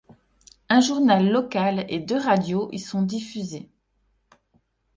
Un journal local et deux radios y sont diffusés.